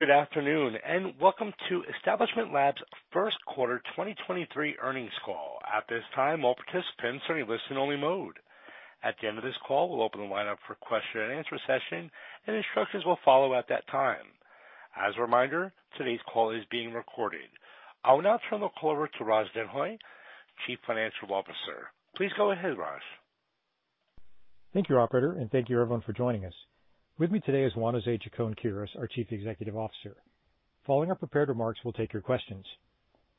Good afternoon, welcome to Establishment Labs' first quarter 2023 earnings call. At this time, all participants are in listen-only mode. At the end of this call, we'll open the lineup for question and answer session. Instructions will follow at that time. As a reminder, today's call is being recorded. I will now turn the call over to Raj Denhoy, Chief Financial Officer. Please go ahead, Raj. Thank you, operator, and thank you everyone for joining us. With me today is Juan José Chacón-Quirós, our Chief Executive Officer. Following our prepared remarks, we'll take your questions.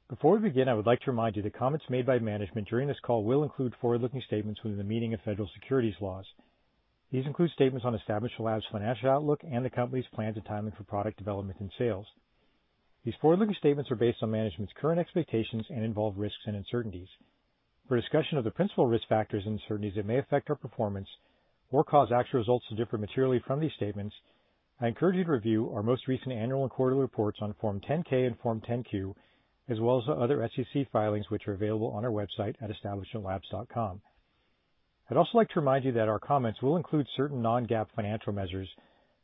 Before we begin, I would like to remind you that comments made by management during this call will include forward-looking statements within the meaning of Federal Securities laws. These include statements on Establishment Labs' financial outlook and the company's plans and timing for product development and sales. These forward-looking statements are based on management's current expectations and involve risks and uncertainties. For a discussion of the principal risk factors and uncertainties that may affect our performance or cause actual results to differ materially from these statements, I encourage you to review our most recent annual and quarterly reports on Form 10-K and Form 10-Q, as well as other SEC filings, which are available on our website at establishmentlabs.com. I'd also like to remind you that our comments will include certain non-GAAP financial measures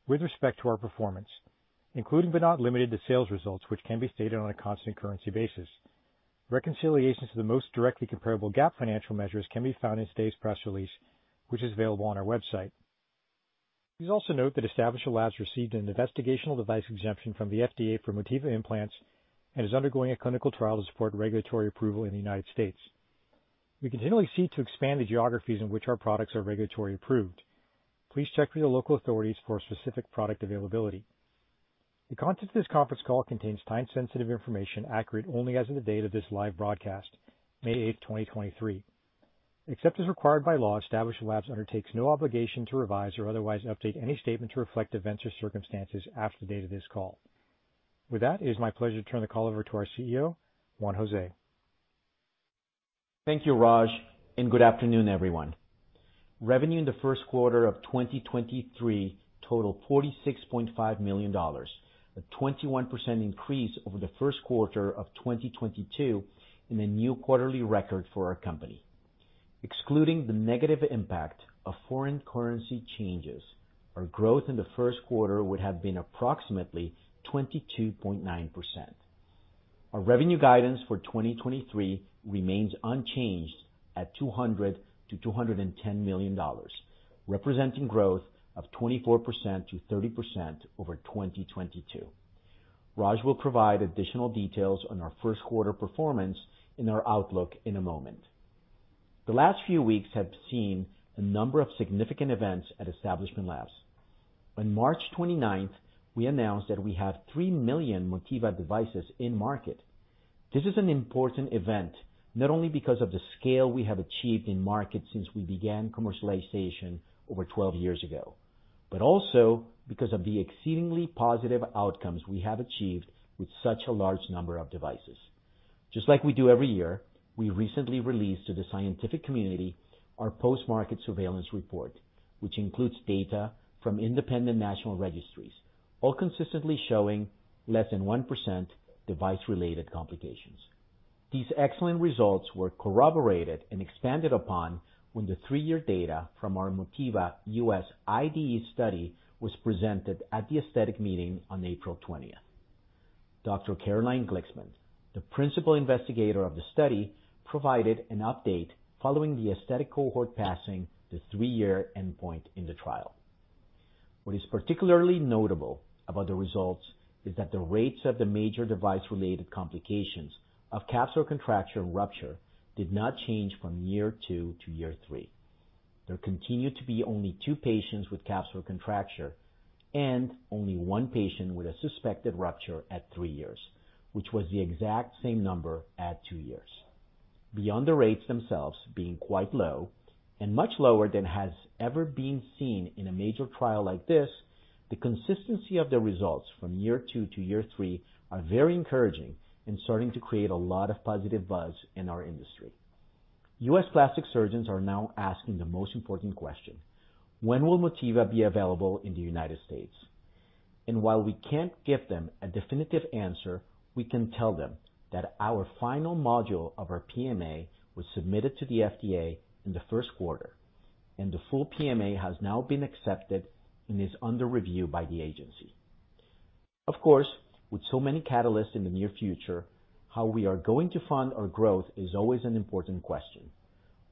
with respect to our performance, including but not limited to sales results, which can be stated on a constant currency basis. Reconciliations to the most directly comparable GAAP financial measures can be found in today's press release, which is available on our website. Please also note that Establishment Labs received an investigational device exemption from the FDA for Motiva implants and is undergoing a clinical trial to support regulatory approval in the United States. We continually seek to expand the geographies in which our products are regulatory approved. Please check with your local authorities for specific product availability. The content of this conference call contains time-sensitive information accurate only as of the date of this live broadcast, May 8th, 2023. Except as required by law, Establishment Labs undertakes no obligation to revise or otherwise update any statement to reflect events or circumstances after the date of this call. With that, it is my pleasure to turn the call over to our CEO, Juan José. Thank you, Raj, good afternoon, everyone. Revenue in the first quarter of 2023 totaled $46.5 million, a 21% increase over the first quarter of 2022 in a new quarterly record for our company. Excluding the negative impact of foreign currency changes, our growth in the first quarter would have been approximately 22.9%. Our revenue guidance for 2023 remains unchanged at $200 million-$210 million, representing growth of 24%-30% over 2022. Raj will provide additional details on our first quarter performance and our outlook in a moment. The last few weeks have seen a number of significant events at Establishment Labs. On March 29th, we announced that we have 3 million Motiva devices in market. This is an important event, not only because of the scale we have achieved in market since we began commercialization over 12 years ago, but also because of the exceedingly positive outcomes we have achieved with such a large number of devices. Just like we do every year, we recently released to the scientific community our Post Market Surveillance Report, which includes data from independent national registries, all consistently showing less than 1% device-related complications. These excellent results were corroborated and expanded upon when the 3-year data from our Motiva US IDE study was presented at The Aesthetic Meeting on April 20th. Dr. Caroline Glicksman, the Principal Investigator of the study, provided an update following the aesthetic cohort passing the 3-year endpoint in the trial. What is particularly notable about the results is that the rates of the major device-related complications of capsular contracture and rupture did not change from year 2 to year 3. There continued to be only 2 patients with capsular contracture and only 1 patient with a suspected rupture at 3 years, which was the exact same number at 2 years. Beyond the rates themselves being quite low, and much lower than has ever been seen in a major trial like this, the consistency of the results from year 2 to year 3 are very encouraging and starting to create a lot of positive buzz in our industry. US plastic surgeons are now asking the most important question: When will Motiva be available in the United States? While we can't give them a definitive answer, we can tell them that our final module of our PMA was submitted to the FDA in the first quarter, and the full PMA has now been accepted and is under review by the agency. Of course, with so many catalysts in the near future, how we are going to fund our growth is always an important question.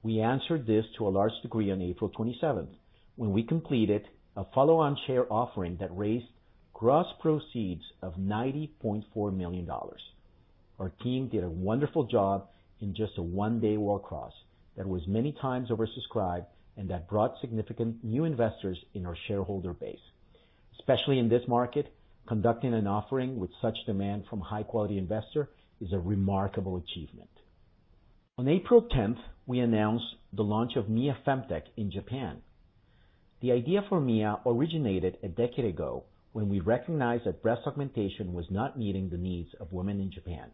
We answered this to a large degree on April 27th when we completed a follow-on share offering that raised gross proceeds of $90.4 million. Our team did a wonderful job in just a 1-day roll-cross that was many times oversubscribed and that brought significant new investors in our shareholder base. Especially in this market, conducting an offering with such demand from high-quality investors is a remarkable achievement. On April 10th, we announced the launch of Mia Femtech in Japan. The idea for Mia originated a decade ago when we recognized that breast augmentation was not meeting the needs of women in Japan.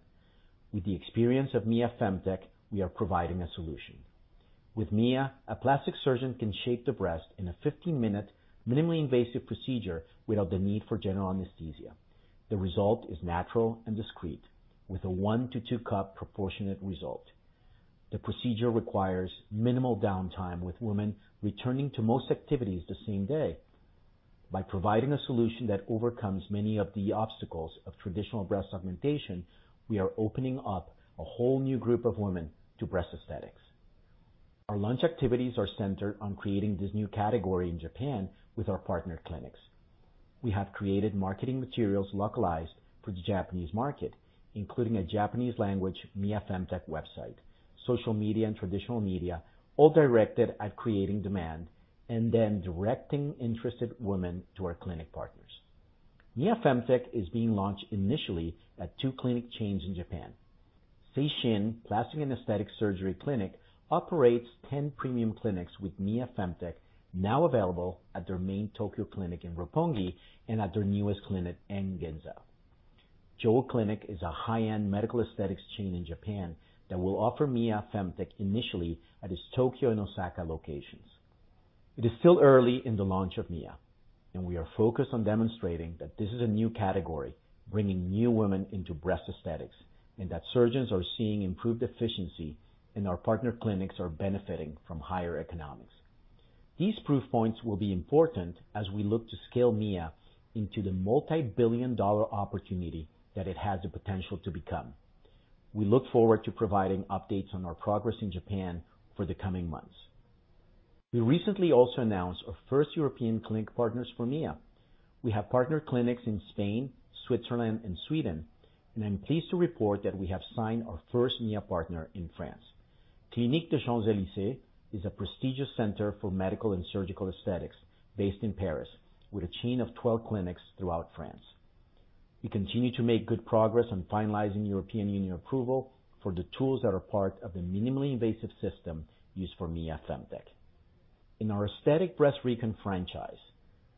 With the experience of Mia Femtech, we are providing a solution. With Mia, a plastic surgeon can shape the breast in a 15-minute minimally invasive procedure without the need for general anesthesia. The result is natural and discreet, with a 1-2 cup proportionate result. The procedure requires minimal downtime, with women returning to most activities the same day. By providing a solution that overcomes many of the obstacles of traditional breast augmentation, we are opening up a whole new group of women to breast aesthetics. Our launch activities are centered on creating this new category in Japan with our partner clinics. We have created marketing materials localized for the Japanese market, including a Japanese language Mia Femtech website, social media and traditional media, all directed at creating demand and then directing interested women to our clinic partners. Mia Femtech is being launched initially at two clinic chains in Japan. Seishin Plastic and Aesthetic Surgery Clinic operates 10 premium clinics with Mia Femtech now available at their main Tokyo clinic in Roppongi and at their newest clinic in Ginza. JOE Clinic is a high-end medical aesthetics chain in Japan that will offer Mia Femtech initially at its Tokyo and Osaka locations. It is still early in the launch of Mia, and we are focused on demonstrating that this is a new category, bringing new women into breast aesthetics, and that surgeons are seeing improved efficiency and our partner clinics are benefiting from higher economics. These proof points will be important as we look to scale Mia into the multi-billion dollar opportunity that it has the potential to become. We look forward to providing updates on our progress in Japan for the coming months. We recently also announced our first European clinic partners for Mia. We have partner clinics in Spain, Switzerland and Sweden, and I'm pleased to report that we have signed our first Mia partner in France. Clinique des Champs-Élysées is a prestigious center for medical and surgical aesthetics based in Paris, with a chain of 12 clinics throughout France. We continue to make good progress on finalizing European Union approval for the tools that are part of the minimally invasive system used for Mia Femtech. In our aesthetic breast recon franchise,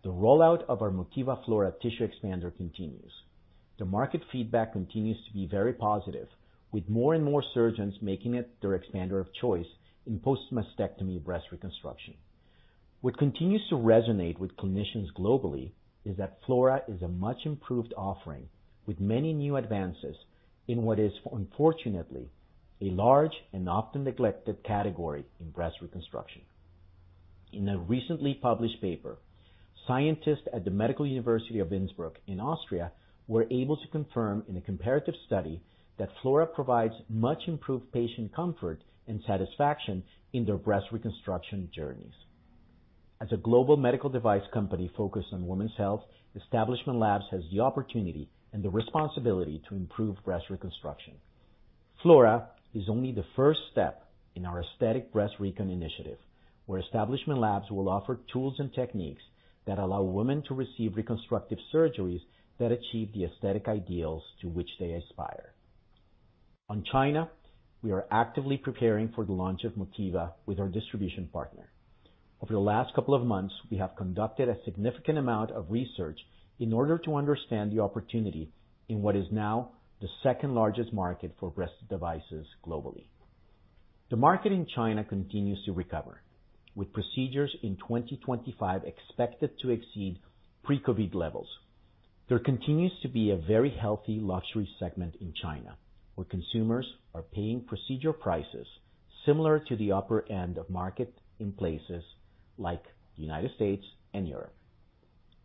the rollout of our Motiva Flora tissue expander continues. The market feedback continues to be very positive, with more and more surgeons making it their expander of choice in post-mastectomy breast reconstruction. What continues to resonate with clinicians globally is that Flora is a much improved offering with many new advances in what is unfortunately a large and often neglected category in breast reconstruction. In a recently published paper, scientists at the Medical University of Innsbruck in Austria were able to confirm in a comparative study that Flora provides much improved patient comfort and satisfaction in their breast reconstruction journeys. As a global medical device company focused on women's health, Establishment Labs has the opportunity and the responsibility to improve breast reconstruction. Flora is only the first step in our aesthetic breast recon initiative, where Establishment Labs will offer tools and techniques that allow women to receive reconstructive surgeries that achieve the aesthetic ideals to which they aspire. On China, we are actively preparing for the launch of Motiva with our distribution partner. Over the last couple of months, we have conducted a significant amount of research in order to understand the opportunity in what is now the second-largest market for breast devices globally. The market in China continues to recover, with procedures in 2025 expected to exceed pre-COVID levels. There continues to be a very healthy luxury segment in China, where consumers are paying procedural prices similar to the upper end of market in places like the United States and Europe.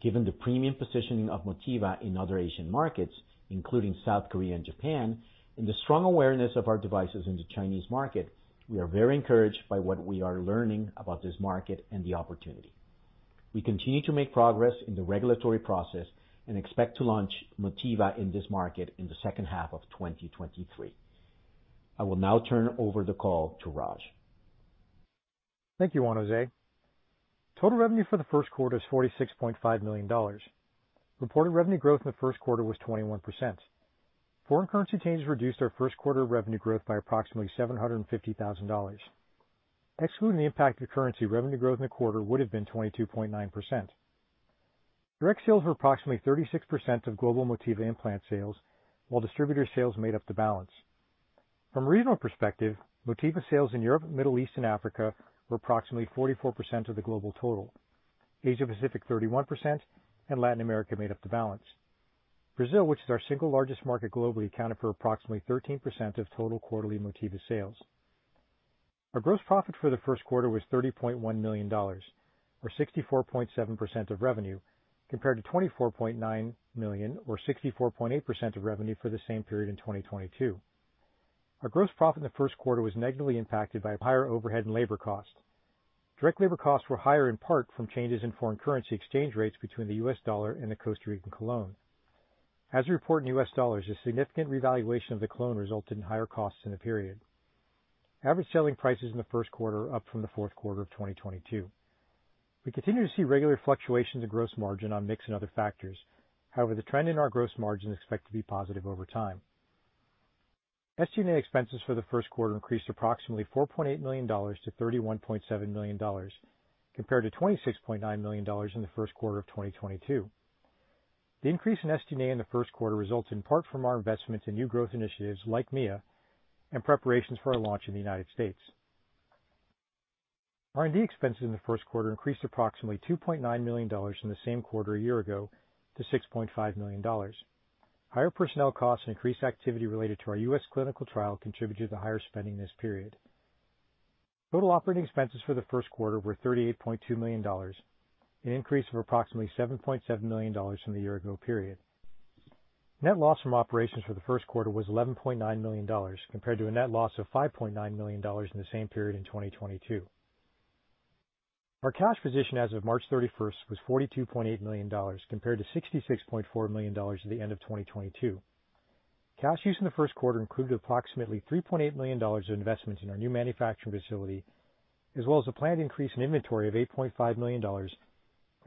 Given the premium positioning of Motiva in other Asian markets, including South Korea and Japan, and the strong awareness of our devices in the Chinese market, we are very encouraged by what we are learning about this market and the opportunity. We continue to make progress in the regulatory process. We expect to launch Motiva in this market in the second half of 2023. I will now turn over the call to Raj. Thank you, Juan José. Total revenue for the first quarter is $46.5 million. Reported revenue growth in the first quarter was 21%. Foreign currency changes reduced our first quarter revenue growth by approximately $750,000. Excluding the impact of currency, revenue growth in the quarter would have been 22.9%. Direct sales were approximately 36% of global Motiva implant sales while distributor sales made up the balance. From a regional perspective, Motiva sales in Europe, Middle East and Africa were approximately 44% of the global total. Asia Pacific, 31%, and Latin America made up the balance. Brazil, which is our single largest market globally, accounted for approximately 13% of total quarterly Motiva sales. Our gross profit for the first quarter was $30.1 million or 64.7% of revenue, compared to $24.9 million or 64.8% of revenue for the same period in 2022. Our gross profit in the first quarter was negatively impacted by higher overhead and labor costs. Direct labor costs were higher in part from changes in foreign currency exchange rates between the US dollar and the Costa Rican colón. As we report in US dollars, the significant revaluation of the colón resulted in higher costs in the period. Average selling prices in the first quarter are up from the fourth quarter of 2022. We continue to see regular fluctuations in gross margin on mix and other factors. However, the trend in our gross margin is expected to be positive over time. SG&A expenses for the first quarter increased approximately $4.8 million to $31.7 million, compared to $26.9 million in the first quarter of 2022. The increase in SG&A in the first quarter results in part from our investments in new growth initiatives like Mia and preparations for our launch in the United States. R&D expenses in the first quarter increased approximately $2.9 million from the same quarter a year ago to $6.5 million. Higher personnel costs and increased activity related to our U.S. clinical trial contributed to higher spending this period. Total operating expenses for the first quarter were $38.2 million, an increase of approximately $7.7 million from the year-ago period. Net loss from operations for the first quarter was $11.9 million compared to a net loss of $5.9 million in the same period in 2022. Our cash position as of March 31st was $42.8 million compared to $66.4 million at the end of 2022. Cash use in the first quarter included approximately $3.8 million of investment in our new manufacturing facility, as well as a planned increase in inventory of $8.5 million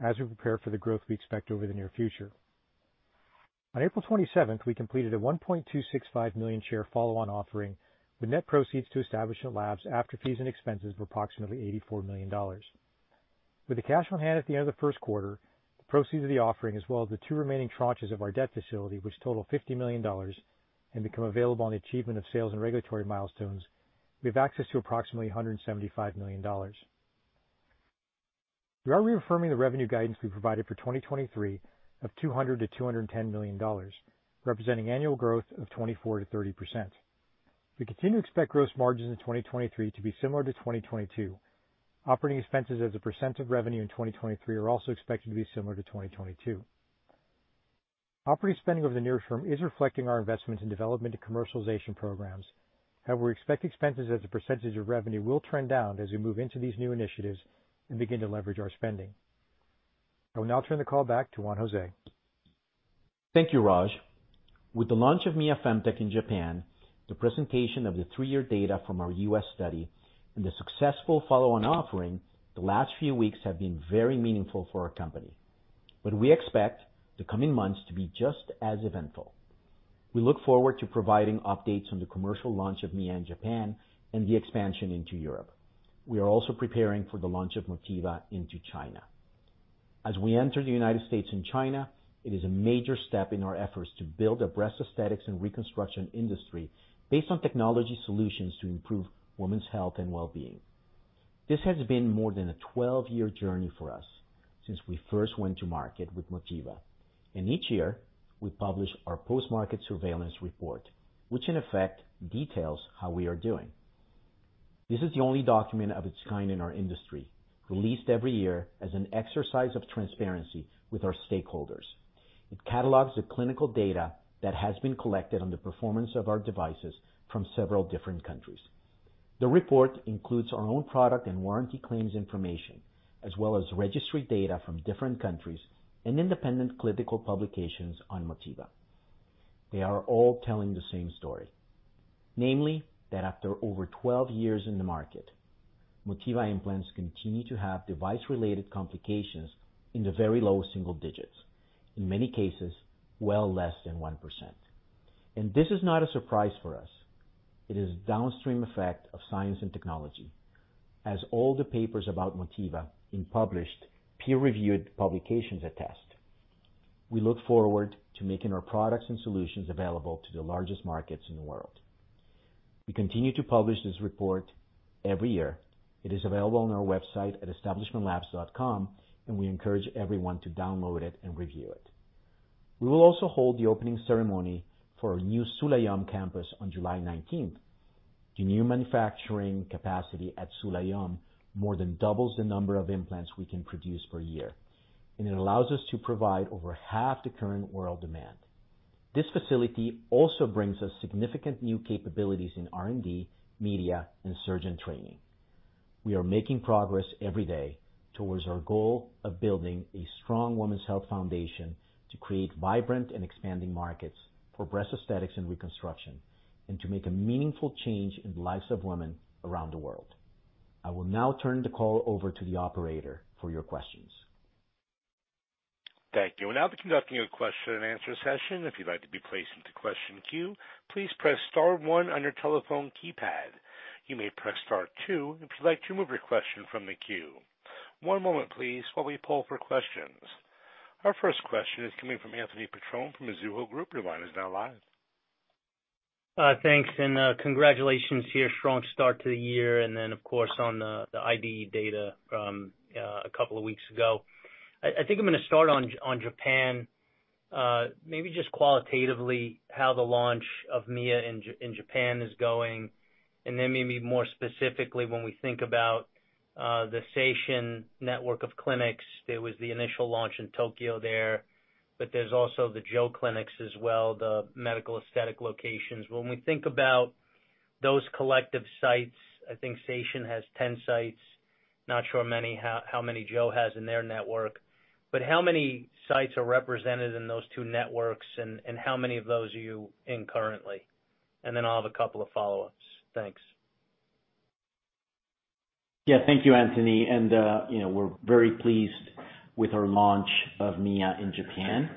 as we prepare for the growth we expect over the near future. On April 27th, we completed a 1.265 million share follow-on offering, with net proceeds to Establishment Labs after fees and expenses of approximately $84 million. With the cash on hand at the end of the first quarter, the proceeds of the offering, as well as the two remaining tranches of our debt facility, which total $50 million and become available on the achievement of sales and regulatory milestones, we have access to approximately $175 million. We are reaffirming the revenue guidance we provided for 2023 of $200 million-$210 million, representing annual growth of 24%-30%. We continue to expect gross margins in 2023 to be similar to 2022. OpEx as a % of revenue in 2023 are also expected to be similar to 2022. Operating spending over the near term is reflecting our investment in development and commercialization programs. We expect expenses as a percentage of revenue will trend down as we move into these new initiatives and begin to leverage our spending. I will now turn the call back to Juan José. Thank you, Raj. With the launch of Mia Femtech in Japan, the presentation of the 3-year data from our U.S. study and the successful follow-on offering, the last few weeks have been very meaningful for our company. We expect the coming months to be just as eventful. We look forward to providing updates on the commercial launch of Mia in Japan and the expansion into Europe. We are also preparing for the launch of Motiva into China. As we enter the United States and China, it is a major step in our efforts to build a breast aesthetics and reconstruction industry based on technology solutions to improve women's health and well-being. This has been more than a 12-year journey for us since we first went to market with Motiva. Each year we publish our Post Market Surveillance Report, which in effect details how we are doing. This is the only document of its kind in our industry, released every year as an exercise of transparency with our stakeholders. It catalogs the clinical data that has been collected on the performance of our devices from several different countries. The report includes our own product and warranty claims information, as well as registry data from different countries and independent clinical publications on Motiva. They are all telling the same story, namely that after over 12 years in the market, Motiva implants continue to have device-related complications in the very low single digits, in many cases, well less than 1%. This is not a surprise for us. It is a downstream effect of science and technology as all the papers about Motiva in published peer-reviewed publications attest. We look forward to making our products and solutions available to the largest markets in the world. We continue to publish this report every year. It is available on our website at establishmentlabs.com. We encourage everyone to download it and review it. We will also hold the opening ceremony for our new Sulayöm campus on July 19th. The new manufacturing capacity at Sulayöm more than doubles the number of implants we can produce per year. It allows us to provide over half the current world demand. This facility also brings us significant new capabilities in R&D, media, and surgeon training. We are making progress every day towards our goal of building a strong women's health foundation to create vibrant and expanding markets for breast aesthetics and reconstruction, to make a meaningful change in the lives of women around the world. I will now turn the call over to the operator for your questions. Thank you. We're now conducting a question and answer session. If you'd like to be placed into question queue, please press star one on your telephone keypad. You may press star two if you'd like to remove your question from the queue. One moment please while we poll for questions. Our first question is coming from Anthony Petrone from Mizuho Group. Your line is now live. Thanks, and congratulations to your strong start to the year and then of course on the IDE data from a couple of weeks ago. I think I'm gonna start on Japan. Maybe just qualitatively how the launch of Mia in Japan is going, and then maybe more specifically when we think about the Seishin network of clinics. There was the initial launch in Tokyo there, but there's also the Joe clinics as well, the medical aesthetic locations. When we think about those collective sites, I think Seishin has 10 sites, not sure how many Joe has in their network. How many sites are represented in those two networks and how many of those are you in currently? Then I'll have a couple of follow-ups. Thanks. Yeah. Thank you, Anthony. You know, we're very pleased with our launch of Mia in Japan.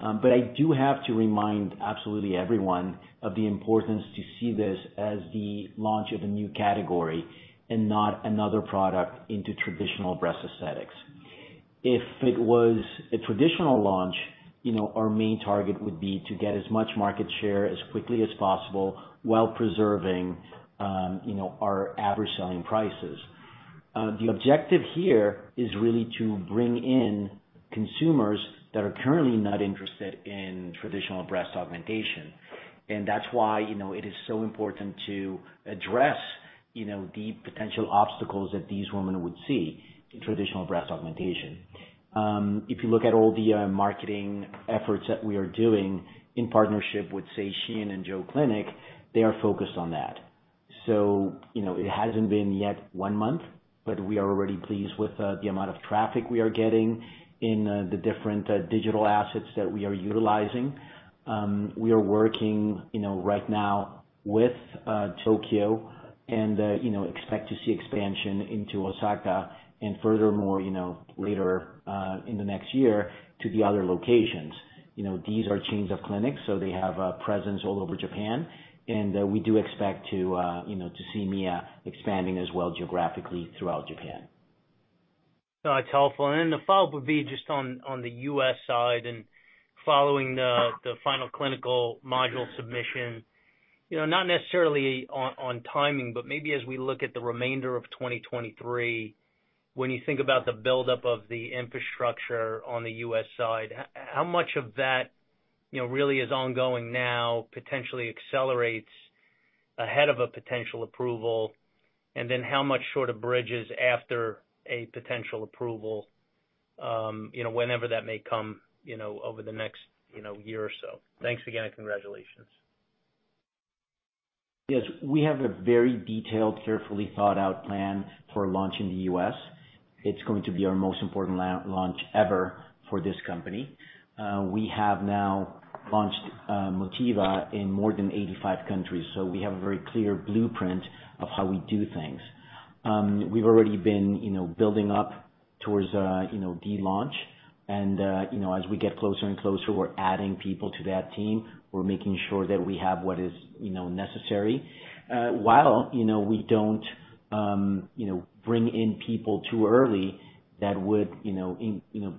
I do have to remind absolutely everyone of the importance to see this as the launch of a new category and not another product into traditional breast aesthetics. If it was a traditional launch, you know, our main target would be to get as much market share as quickly as possible while preserving, you know, our average selling prices. The objective here is really to bring in consumers that are currently not interested in traditional breast augmentation. That's why, you know, it is so important to address, you know, the potential obstacles that these women would see in traditional breast augmentation. If you look at all the marketing efforts that we are doing in partnership with Seishin and Joe Clinic, they are focused on that. You know, it hasn't been yet one month, but we are already pleased with the amount of traffic we are getting in the different digital assets that we are utilizing. We are working, you know, right now with Tokyo and, you know, expect to see expansion into Osaka and furthermore, you know, later in the next year to the other locations. You know, these are chains of clinics, so they have a presence all over Japan, and we do expect to, you know, to see Mia expanding as well geographically throughout Japan. That's helpful. The follow-up would be just on the US side and following the final clinical module submission. You know, not necessarily on timing, but maybe as we look at the remainder of 2023, when you think about the buildup of the infrastructure on the US side, how much of that, you know, really is ongoing now, potentially accelerates ahead of a potential approval, and then how much sort of bridges after a potential approval, you know, whenever that may come, you know, over the next, you know, year or so. Thanks again, and congratulations. Yes. We have a very detailed, carefully thought-out plan for launch in the U.S. It's going to be our most important launch ever for this company. We have now launched Motiva in more than 85 countries, so we have a very clear blueprint of how we do things. We've already been, you know, building up towards, you know, the launch and, you know, as we get closer and closer, we're adding people to that team. We're making sure that we have what is, you know, necessary, while, you know, we don't, you know, bring in people too early that would, you know,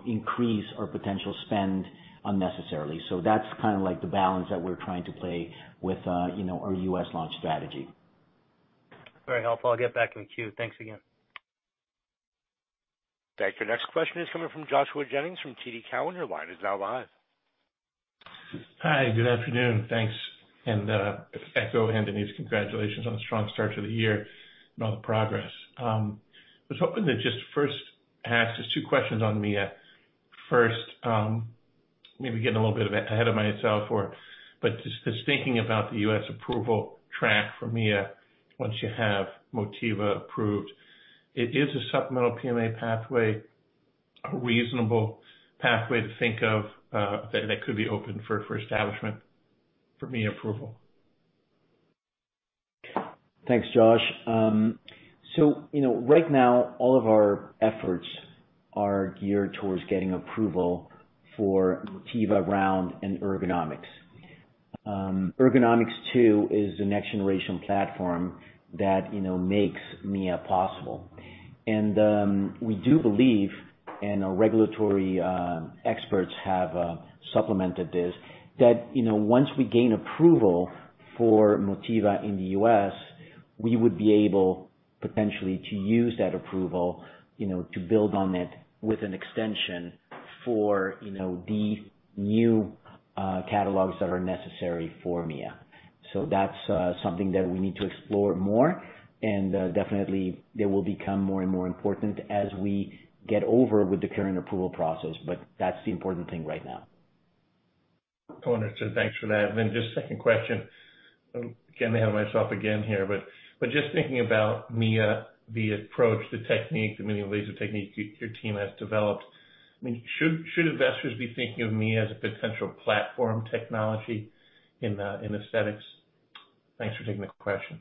increase our potential spend unnecessarily. That's kind of like the balance that we're trying to play with, you know, our U.S. launch strategy. Very helpful. I'll get back in queue. Thanks again. Thank you. Next question is coming from Josh Jennings from TD Cowen. Your line is now live. Hi, good afternoon. Thanks. Echo Anthony's congratulations on the strong start to the year and all the progress. I was hoping to just first ask just two questions on Mia. First, maybe getting a little bit ahead of myself or. Just thinking about the U.S. approval track for Mia once you have Motiva approved, it is a PMA supplement pathway, a reasonable pathway to think of that could be open for Establishment for Mia approval. Thanks, Josh. You know, right now all of our efforts are geared towards getting approval for Motiva Round and Ergonomix. Ergonomix2 is the next generation platform that, you know, makes Mia possible. We do believe, and our regulatory experts have supplemented this, that, you know, once we gain approval for Motiva in the U.S., we would be able potentially to use that approval, you know, to build on it with an extension for, you know, the new catalogs that are necessary for Mia. That's something that we need to explore more, and definitely it will become more and more important as we get over with the current approval process. That's the important thing right now. Wonderful. Thanks for that. Just second question. Again, ahead of myself again here, but just thinking about Mia, the approach, the technique, the minimally invasive technique your team has developed. I mean, should investors be thinking of Mia as a potential platform technology in aesthetics? Thanks for taking the question.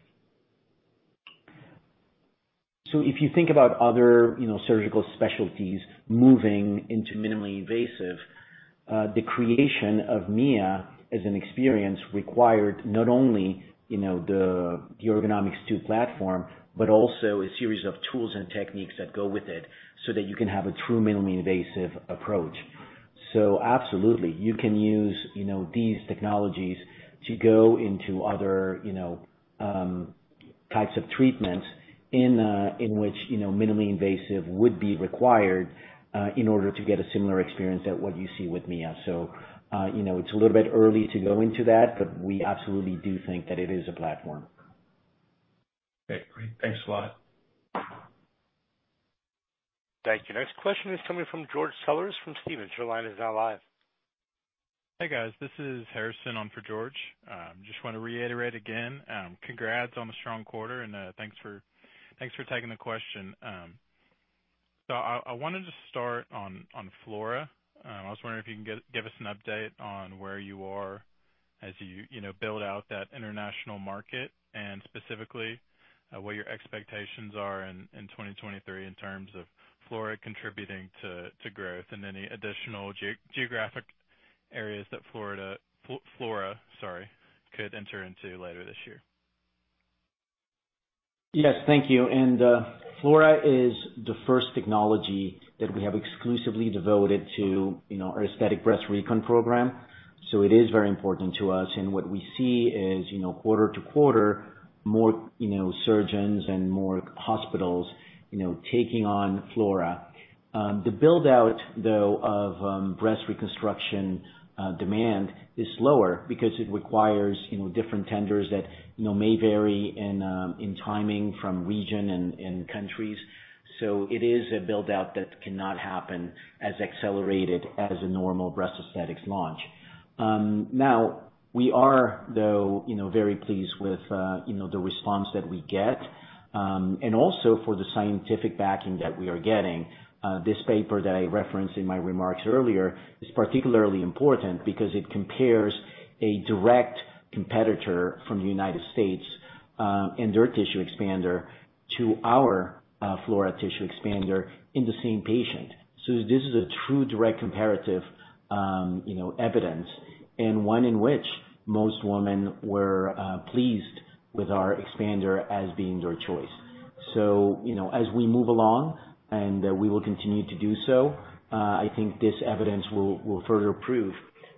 If you think about other, you know, surgical specialties moving into minimally invasive, the creation of Mia as an experience required not only, you know, the Ergonomix2 platform, but also a series of tools and techniques that go with it so that you can have a true minimally invasive approach. Absolutely, you can use, you know, these technologies to go into other, you know, types of treatments in which, you know, minimally invasive would be required, in order to get a similar experience at what you see with Mia. you know, it's a little bit early to go into that, but we absolutely do think that it is a platform. Okay, great. Thanks a lot. Thank you. Next question is coming from George Sellers from Stephens. Your line is now live. Hey, guys. This is Harrison on for George. Just want to reiterate again, congrats on the strong quarter and thanks for taking the question. I wanted to start on Flora. I was wondering if you can give us an update on where you are as you know, build out that international market, and specifically, what your expectations are in 2023 in terms of Flora contributing to growth and any additional geographic areas that Flora, sorry, could enter into later this year. Yes. Thank you. Flora is the first technology that we have exclusively devoted to, you know, our aesthetic breast recon program. It is very important to us. What we see is, you know, quarter to quarter more, you know, surgeons and more hospitals, you know, taking on Flora. The build-out, though, of breast reconstruction demand is lower because it requires, you know, different tenders that, you know, may vary in timing from region and countries. It is a build-out that cannot happen as accelerated as a normal breast aesthetics launch. Now we are, though, you know, very pleased with, you know, the response that we get, and also for the scientific backing that we are getting. This paper that I referenced in my remarks earlier is particularly important because it compares a direct competitor from the United States, and their tissue expander to our Flora tissue expander in the same patient. This is a true direct comparative, you know, evidence and one in which most women were pleased with our expander as being their choice. You know, as we move along, and we will continue to do so, I think this evidence will further prove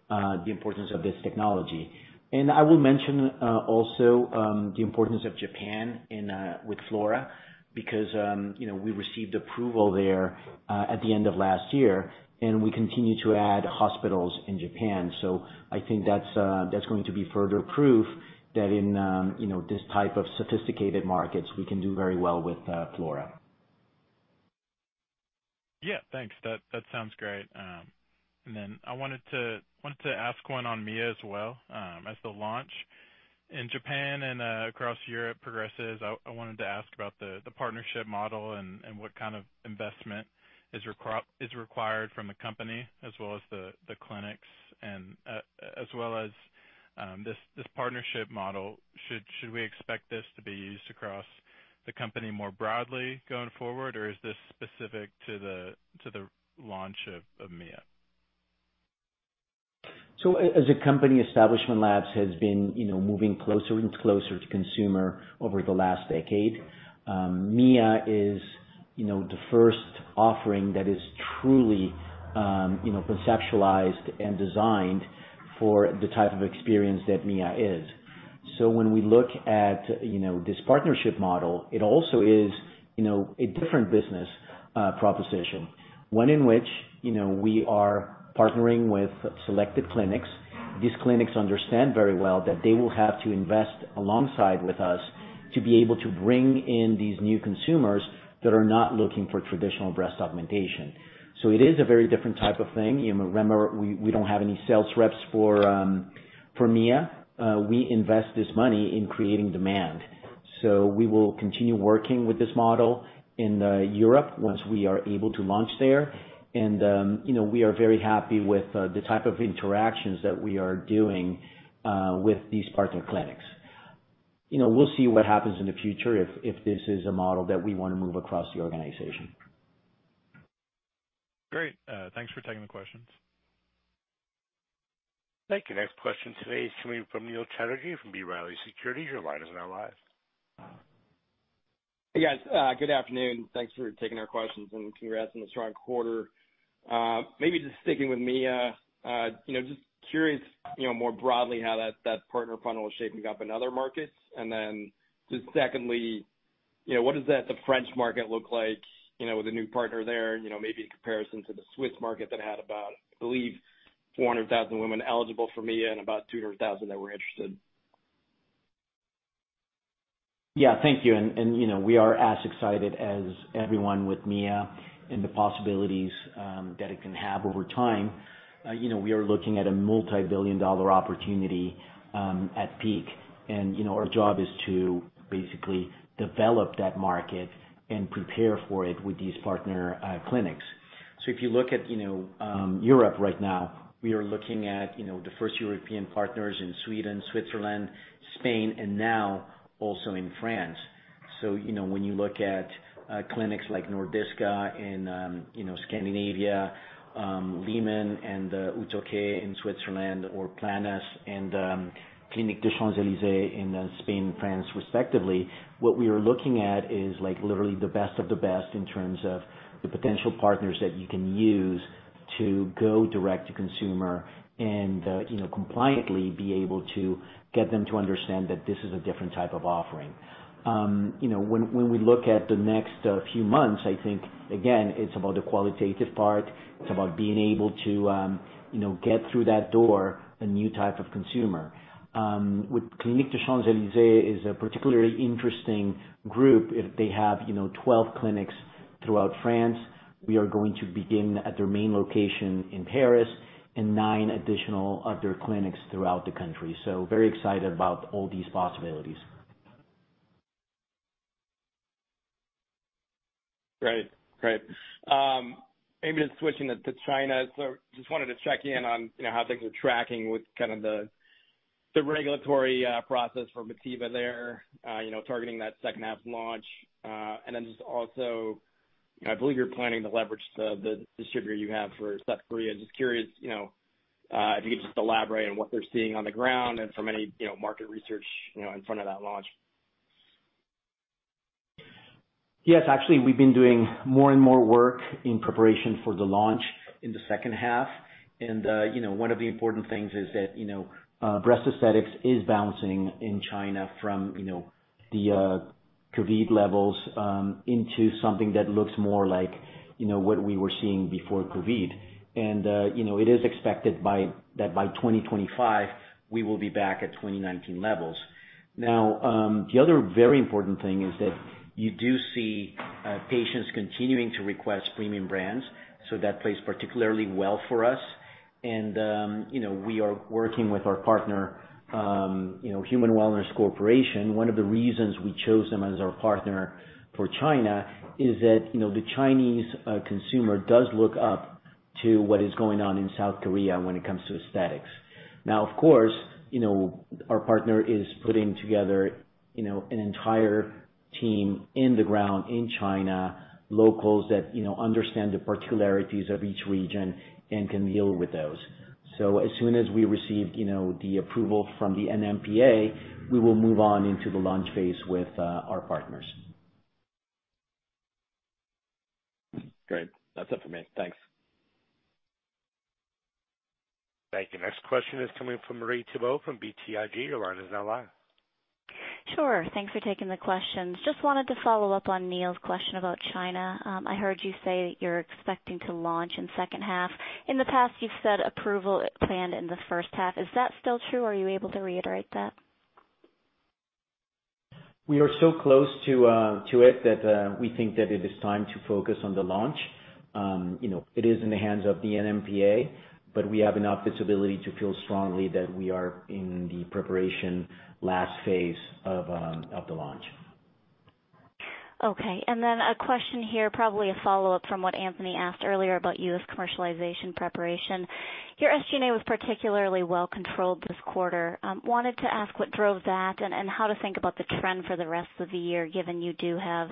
the importance of this technology. I will mention also the importance of Japan in with Flora because, you know, we received approval there at the end of last year, and we continue to add hospitals in Japan. I think that's going to be further proof that in, you know, this type of sophisticated markets, we can do very well with Flora. Yeah. Thanks. That sounds great. I wanted to ask one on Mia as well. As the launch in Japan and across Europe progresses, I wanted to ask about the partnership model and what kind of investment is required from the company as well as the clinics and as well as this partnership model. Should we expect this to be used across the company more broadly going forward, or is this specific to the launch of Mia? As a company, Establishment Labs has been, you know, moving closer and closer to consumer over the last decade. Mia is, you know, the first offering that is truly, you know, conceptualized and designed for the type of experience that Mia is. When we look at, you know, this partnership model, it also is, you know, a different business proposition, one in which, you know, we are partnering with selected clinics. These clinics understand very well that they will have to invest alongside with us to be able to bring in these new consumers that are not looking for traditional breast augmentation. It is a very different type of thing. You know, remember, we don't have any sales reps for Mia. We invest this money in creating demand. We will continue working with this model in Europe once we are able to launch there. You know, we are very happy with the type of interactions that we are doing with these partner clinics. You know, we'll see what happens in the future if this is a model that we wanna move across the organization. Great. Thanks for taking the questions. Thank you. Next question today is coming from Neil Chatterji from B. Riley Securities. Your line is now live. Hey, guys, good afternoon. Thanks for taking our questions and congrats on the strong quarter. maybe just sticking with Mia, you know, just curious, you know, more broadly how that partner funnel is shaping up in other markets. just secondly, you know, what does that, the French market look like, you know, with a new partner there, you know, maybe in comparison to the Swiss market that had about, I believe, 400,000 women eligible for Mia and about 200,000 that were interested? Yeah. Thank you. You know, we are as excited as everyone with Mia and the possibilities that it can have over time. You know, we are looking at a multi-billion dollar opportunity at peak. You know, our job is to basically develop that market and prepare for it with these partner clinics. If you look at, you know, Europe right now, we are looking at, you know, the first European partners in Sweden, Switzerland, Spain, and now also in France. When you look at clinics like Nordiska in Scandinavia, Leman and Clinic Utoquai in Switzerland or Clínica Planas and Clinique des Champs-Élysées in Spain, France respectively, what we are looking at is like literally the best of the best in terms of the potential partners that you can use to go direct to consumer and, you know, compliantly be able to get them to understand that this is a different type of offering. You know, when we look at the next few months, I think, again, it's about the qualitative part. It's about being able to, you know, get through that door a new type of consumer. With Clinique des Champs-Élysées is a particularly interesting group. If they have, you know, 12 clinics throughout France, we are going to begin at their main location in Paris and 9 additional of their clinics throughout the country. Very excited about all these possibilities. Great. Great. Maybe just switching it to China. Just wanted to check in on, you know, how things are tracking with kind of the regulatory process for Motiva there, you know, targeting that second half launch? Just also, I believe you're planning to leverage the distributor you have for South Korea. Just curious, you know, if you could just elaborate on what they're seeing on the ground and from any, you know, market research, you know, in front of that launch? Yes, actually, we've been doing more and more work in preparation for the launch in the second half. One of the important things is that, you know, breast aesthetics is bouncing in China from, you know, the COVID levels, into something that looks more like, you know, what we were seeing before COVID. It is expected that by 2025 we will be back at 2019 levels. Now, the other very important thing is that you do see, patients continuing to request premium brands, so that plays particularly well for us. We are working with our partner, you know, Human Wellness Corporation. One of the reasons we chose them as our partner for China is that, you know, the Chinese consumer does look up to what is going on in South Korea when it comes to aesthetics. Of course, you know, our partner is putting together, you know, an entire team in the ground in China, locals that, you know, understand the particularities of each region and can deal with those. As soon as we receive, you know, the approval from the NMPA, we will move on into the launch phase with our partners. Great. That's it for me. Thanks. Thank you. Next question is coming from Marie Thibault, from BTIG. Your line is now live. Sure. Thanks for taking the questions. Just wanted to follow up on Neil's question about China. I heard you say you're expecting to launch in second half. In the past, you've said approval planned in the first half. Is that still true, or are you able to reiterate that? We are so close to it that we think that it is time to focus on the launch. You know, it is in the hands of the NMPA, we have enough visibility to feel strongly that we are in the preparation last phase of the launch. Okay. A question here, probably a follow-up from what Anthony asked earlier about US commercialization preparation. Your SG&A was particularly well controlled this quarter. Wanted to ask what drove that and how to think about the trend for the rest of the year, given you do have,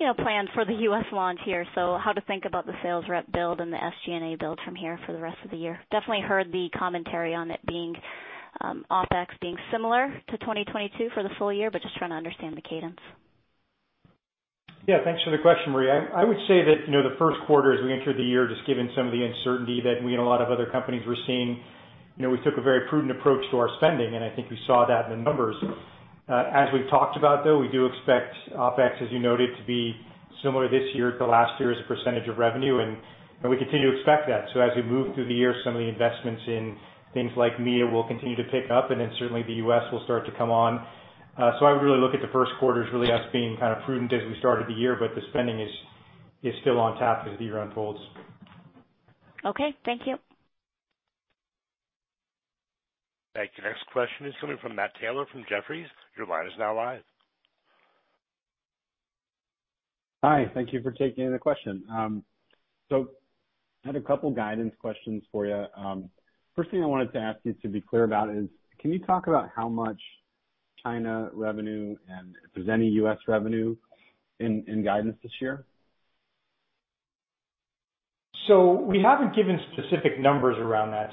you know, planned for the US launch here. How to think about the sales rep build and the SG&A build from here for the rest of the year. Definitely heard the commentary on it being OpEx being similar to 2022 for the full year, but just trying to understand the cadence. Yeah. Thanks for the question, Marie. I would say that, you know, the first quarter as we entered the year, just given some of the uncertainty that me and a lot of other companies were seeing, you know, we took a very prudent approach to our spending, and I think we saw that in the numbers. As we've talked about, though, we do expect OpEx, as you noted, to be similar this year to last year as a % of revenue, and we continue to expect that. As we move through the year, some of the investments in things like Mia will continue to pick up and then certainly the U.S. will start to come on. I would really look at the first quarter as really us being kind of prudent as we started the year, but the spending is still on tap as the year unfolds. Okay, thank you. Thank you. Next question is coming from Matt Taylor from Jefferies. Your line is now live. Hi. Thank you for taking the question. I had a couple guidance questions for you. First thing I wanted to ask you to be clear about is, can you talk about how much China revenue and if there's any US revenue in guidance this year? We haven't given specific numbers around that.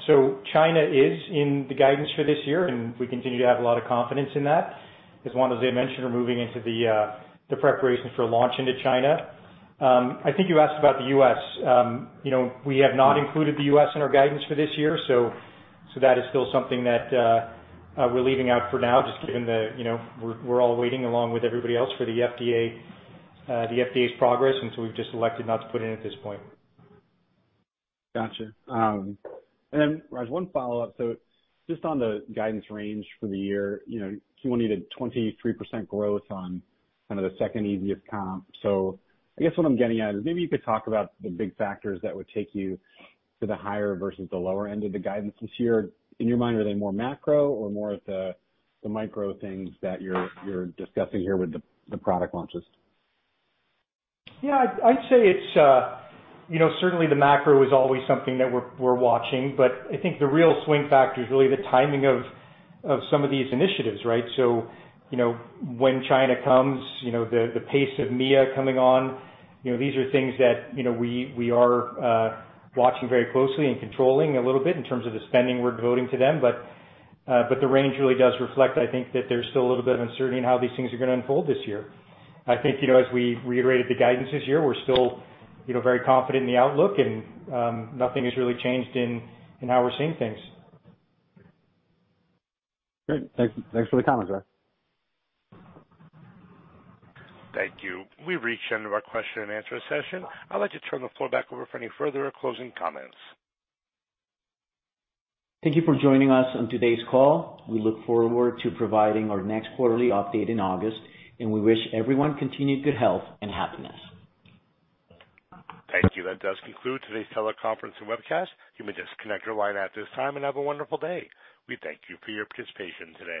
China is in the guidance for this year, and we continue to have a lot of confidence in that. As Juan as I mentioned, we're moving into the preparations for launch into China. I think you asked about the U.S. you know, we have not included the U.S. in our guidance for this year, so that is still something that we're leaving out for now, just given that, you know, we're all waiting along with everybody else for the FDA's progress, and so we've just elected not to put in at this point. Gotcha. Raj, one follow-up. Just on the guidance range for the year, you know, you wanted a 23% growth on kind of the second easiest comp. I guess what I'm getting at is maybe you could talk about the big factors that would take you to the higher versus the lower end of the guidance this year? In your mind, are they more macro or more of the micro things that you're discussing here with the product launches? Yeah. I'd say it's, you know, certainly the macro is always something that we're watching, but I think the real swing factor is really the timing of some of these initiatives, right? When China comes, you know, the pace of Mia coming on, you know, these are things that, you know, we are watching very closely and controlling a little bit in terms of the spending we're devoting to them. The range really does reflect, I think, that there's still a little bit of uncertainty in how these things are gonna unfold this year. I think, you know, as we reiterated the guidance this year, we're still, you know, very confident in the outlook and nothing has really changed in how we're seeing things. Great. Thanks for the comments, Raj. Thank you. We've reached the end of our question and answer session. I'd like to turn the floor back over for any further closing comments. Thank you for joining us on today's call. We look forward to providing our next quarterly update in August, and we wish everyone continued good health and happiness. Thank you. That does conclude today's teleconference and webcast. You may disconnect your line at this time. Have a wonderful day. We thank you for your participation today.